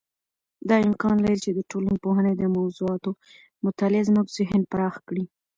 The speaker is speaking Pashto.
دا امکان لري چې د ټولنپوهنې د موضوعاتو مطالعه زموږ ذهن پراخ کړي.